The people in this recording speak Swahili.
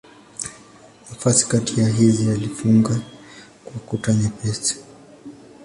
Nafasi kati ya hizi alifunga kwa kuta nyepesi.